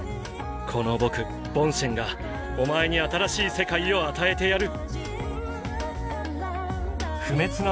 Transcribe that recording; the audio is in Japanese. この僕ポンシェンがお前に新しい世界を与えてやる。